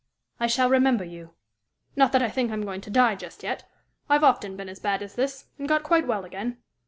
I shall remember you. Not that I think I'm going to die just yet; I've often been as bad as this, and got quite well again.